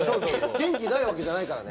元気ないわけじゃないからね。